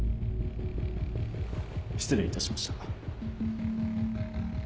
失礼いたしました。